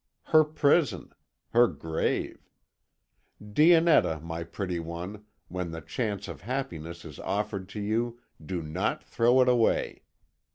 Her prison! Her grave! Dionetta, my pretty one, when the chance of happiness is offered to you, do not throw it away.